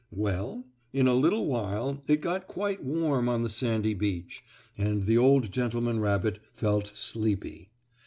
Well, in a little while it got quite warm on the sandy beach, and the old gentleman rabbit felt sleepy.